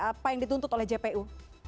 apa yang dituntut oleh jpu